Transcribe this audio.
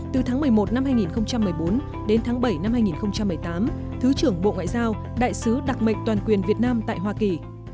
từ tháng một mươi một năm hai nghìn một mươi bốn đến tháng bảy năm hai nghìn một mươi tám thứ trưởng bộ ngoại giao đại sứ đặc mệnh toàn quyền việt nam tại hoa kỳ